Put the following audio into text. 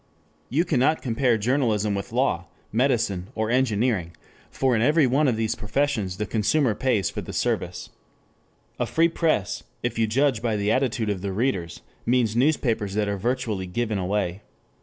You cannot compare journalism with law, medicine or engineering, for in every one of these professions the consumer pays for the service. A free press, if you judge by the attitude of the readers, means newspapers that are virtually given away.